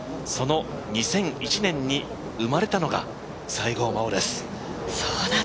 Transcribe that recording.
その２００１年に生まれたのが西郷真央です。